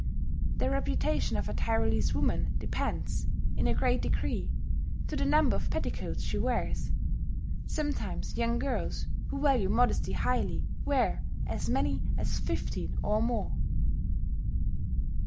The reputation of a Tyrolese woman depends, in a great degree, to the number of petticoats she wears; sometimes young girls, who value modesty highly, wear as many as fifteen or more.